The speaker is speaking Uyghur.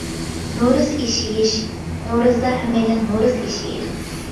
نورۇز ئېشى يېيىش: نورۇزدا ھەممەيلەن نورۇز ئېشى يەيدۇ.